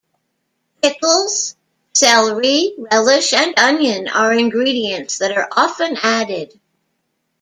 Pickles, celery, relish, and onion are ingredients that are often added.